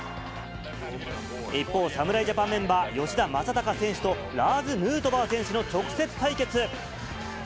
一方、侍ジャパンメンバー、吉田正尚選手とラーズ・ヌートバー選手の直接対決。